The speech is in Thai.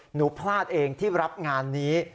หนูพลาดเองที่รับงานนี้